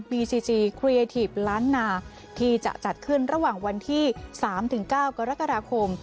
บีซีซีครีเอทีฟล้านนาที่จะจัดขึ้นระหว่างวันที่สามถึงเก้ากรกราคม